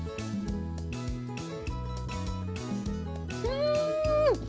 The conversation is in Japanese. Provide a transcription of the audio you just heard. うん！